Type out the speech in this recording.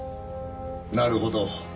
なるほど。